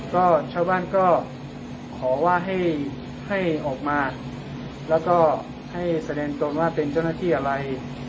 ก็ชาวบ้านก็ขอว่าให้ออกมาแล้วก็ให้แสดงตนว่าเป็นเจ้าหน้าที่อะไร